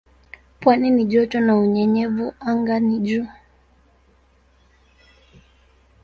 Pwani ni joto na unyevu anga ni juu.